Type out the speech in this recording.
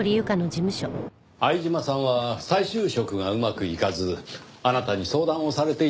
相島さんは再就職がうまくいかずあなたに相談をされていたようですねぇ。